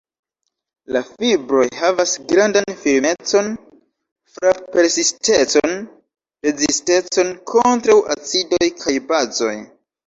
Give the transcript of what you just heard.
La fibroj havas grandan firmecon, frap-persistecon, rezistecon kontraŭ acidoj kaj bazoj.